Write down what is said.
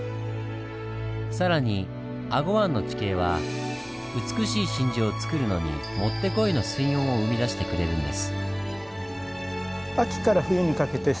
更に英虞湾の地形は美しい真珠をつくるのにもってこいの水温を生み出してくれるんです。